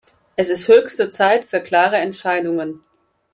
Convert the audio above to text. Es ist höchste Zeit für klare Entscheidungen.